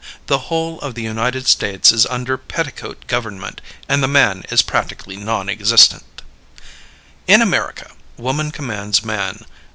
The whole of the United States is under petticoat government, and man is practically non existent. In America, woman commands man.